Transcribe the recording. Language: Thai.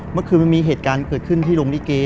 มันมีเหตุการณ์เกิดขึ้นที่โรงลิเก